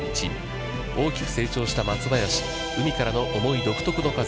大きく成長した松林、海からの重い独特の風。